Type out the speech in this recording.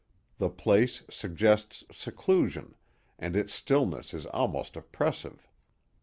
The place suggests seclusion, and its stillness is almost oppressive.